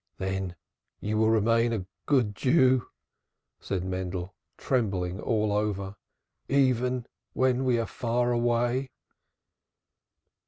"Then you will remain a good Jew," said Mendel, trembling all over, "even when we are far away?"